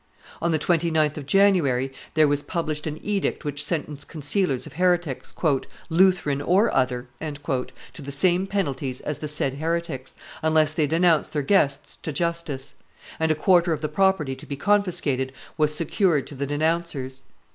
On the 29th of January there was published an edict which sentenced concealers of heretics, "Lutheran or other," to the same penalties as the said heretics, unless they denounced their guests to justice; and a quarter of the property to be confiscated was secured to the denouncers.